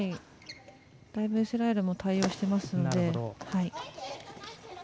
だいぶイスラエルも対応していますので。